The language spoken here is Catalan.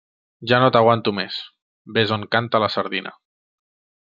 Ja no t'aguanto més. Vés on canta la sardina!